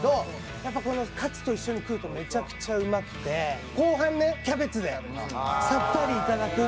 「やっぱこのカツと一緒に食うとめちゃくちゃうまくて後半ねキャベツでさっぱりいただくっていう」